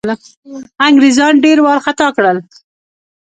انګرېزان ډېر وارخطا کړل.